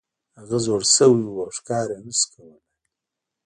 هغه زوړ شوی و او ښکار یې نشو کولی.